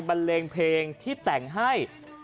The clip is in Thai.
บันเลงเพลงที่แต่งให้